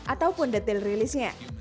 ataupun detail rilisnya